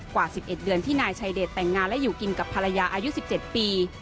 กว่า๑๑เดือนที่นายชายเดชแต่งงานและอยู่กินกับภรรยาอายุ๑๗ปี